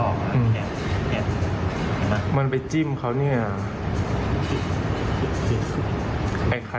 อ๋อเขาจิ้มเลยเลยนะครับ